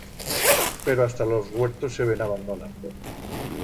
Pero hasta los huertos se ven abandonando.